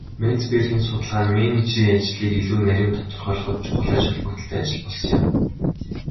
Менцбергийн судалгаа нь менежерийн ажлыг илүү нарийн тодорхойлоход чухал ач холбогдолтой ажил болсон.